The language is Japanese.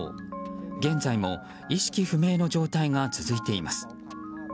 現在も意識不明の状態が続いています。